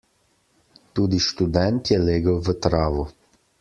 Tudi študent je legel v travo.